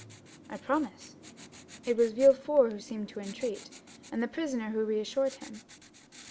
"I promise." It was Villefort who seemed to entreat, and the prisoner who reassured him.